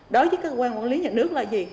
đối với cơ quan quản lý nhà nước là gì